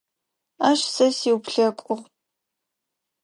Ащ сэ сиуплъэкӏугъ.